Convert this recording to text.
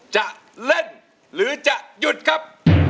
จะเล่นหรือจะหยุดครับ